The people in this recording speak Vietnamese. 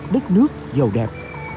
đất nước giàu đẹp